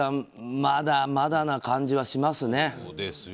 まだまだな感じはしますね。